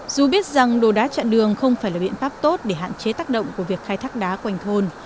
dù biết rằng đổ đá chặn đường không phải là biện pháp tốt để hạn chế tác động của việc khai thác đá quanh thôn